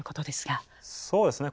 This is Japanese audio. そうですね。